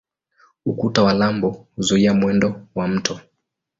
Ukuta wa lambo huzuia mwendo wa mto.